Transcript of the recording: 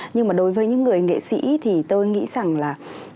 nhưng mà đối với những người nghệ sĩ thì tôi nghĩ rằng là